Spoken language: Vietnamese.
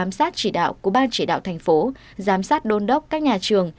bám sát chỉ đạo của ban chỉ đạo thành phố giám sát đôn đốc các nhà trường